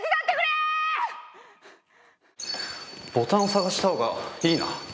ボタンを探したほうがいいな。